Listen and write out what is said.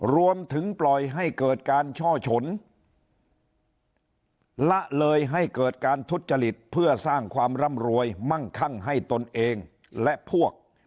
รวมถึงปล่อยให้เกิดการช่อฉนละเลยให้เกิดการทุจริตเพื่อสร้างความร่ำรวยมั่งคั่งให้ตนเองและพวก